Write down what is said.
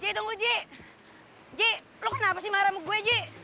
ji tunggu ji ji lo kenapa sih marah sama gue ji